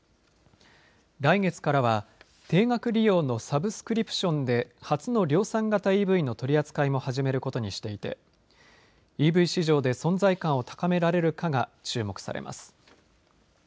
来月からは定額利用のサブスクリプションで初の量産型ＥＶの取り扱いも始めることにしていてＥＶ市場で存在感を高められるかが注目されます。